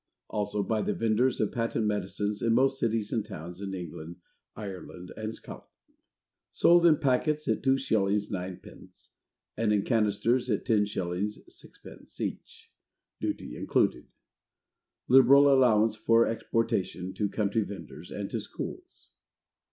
Also by the Venders of Patent Medicines in most Cities and Towns, in England, Ireland, and Scotland. Sold in Packets at 2s. 9d. and in Canisters at 10s. 6d. each, Duty included. Liberal Allowance for Exportation, to Country Venders, and to Schools.